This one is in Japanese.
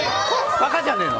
バカじゃねえの？